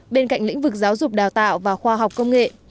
bên cạnh lĩnh vực giáo dục đào tạo và khoa học công nghệ